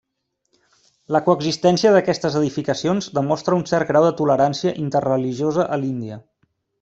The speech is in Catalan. La coexistència d'aquestes edificacions demostra un cert grau de tolerància interreligiosa a l'Índia.